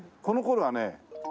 この頃はね